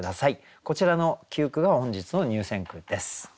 こちらの９句が本日の入選句です。